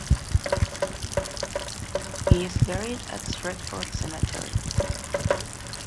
He is buried at Stretford Cemetery.